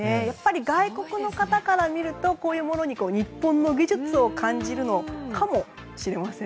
外国の方からするとこういうものに日本の技術を感じるのかもしれません。